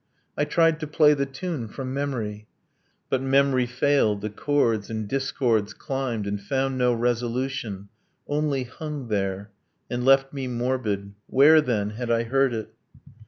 I tried to play the tune, from memory, But memory failed: the chords and discords climbed And found no resolution only hung there, And left me morbid ... Where, then, had I heard it?